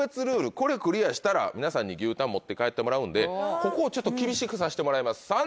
これクリアしたら皆さんに牛タン持って帰ってもらうんでここをちょっと厳しくさせてもらいます。